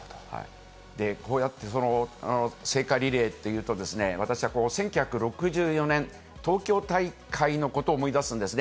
こうやって聖火リレーというと、私は１９６４年、東京大会のことを思い出すんですよね。